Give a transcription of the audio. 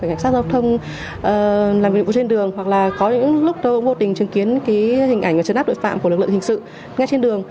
cảnh sát giao thông làm việc trên đường hoặc là có những lúc tôi cũng vô tình chứng kiến cái hình ảnh và chấn áp đội phạm của lực lượng hình sự ngay trên đường